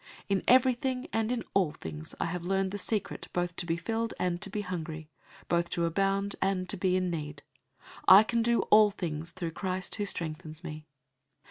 In everything and in all things I have learned the secret both to be filled and to be hungry, both to abound and to be in need. 004:013 I can do all things through Christ, who strengthens me.